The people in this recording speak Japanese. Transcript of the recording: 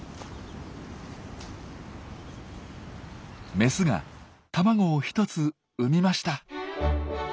メスが卵を１つ産みました。